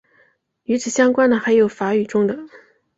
与此相关的还有法语中的。